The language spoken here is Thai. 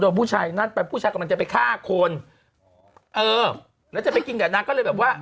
ผู้ชายนั่นไปผู้ชายกำลังจะไปฆ่าคนเออแล้วจะไปกินกับนางก็เลยแบบว่า